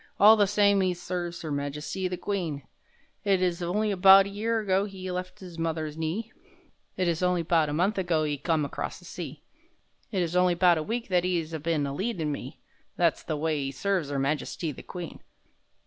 (All the same 'e serves 'Er Majesty the Queen!) It is only 'bout a year ago 'e left 'is mother's knee, It is only 'bout a month ago 'e come acrost the sea, It is only 'bout a week that 'e 'as been aleadin' me. (That's the way 'e serves 'Er Majesty the Queen!)